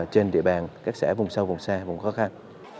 trên địa bàn các xã vùng sâu vùng xa vùng khó khăn